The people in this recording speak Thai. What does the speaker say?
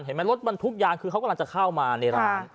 เห็นไหมรถบรรทุกยางเขากำลังจะเข้ามาในร้าน